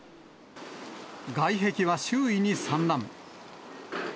外壁は周囲に散乱。